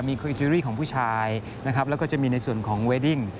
มีความเชื่อของผู้ชายและก็จะมีในส่วนของเวดดิ่ง